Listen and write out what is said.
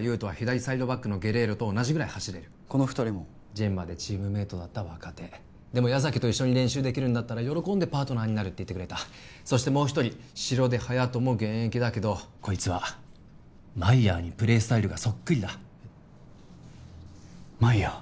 人は左サイドバックのゲレイロと同じぐらい走れるこの２人もジェンマでチームメイトだった若手でも矢崎と一緒に練習できるんだったら喜んでパートナーになるって言ってくれたそしてもう一人城出隼澄も現役だけどこいつはマイヤーにプレースタイルがそっくりだマイヤー？